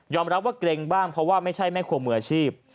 รับว่าเกรงบ้างเพราะว่าไม่ใช่แม่ครัวมืออาชีพ